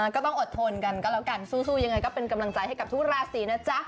ก็ต้องอดทนกันก็แล้วกันสู้ยังไงก็เป็นกำลังใจให้กับทุกราศีนะจ๊ะ